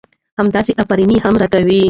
همداسې افرينى يې هم را کوه .